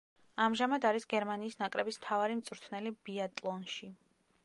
ამჟამად არის გერმანიის ნაკრების მთავარი მწვრთნელი ბიატლონში.